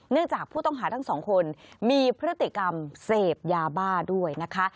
จากผู้ต้องหาทั้งสองคนมีพฤติกรรมเสพยาบ้าด้วยนะคะ